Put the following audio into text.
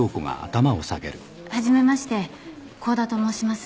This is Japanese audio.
初めまして香田と申します。